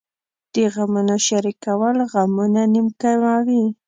د غمونو شریکول غمونه نیم کموي .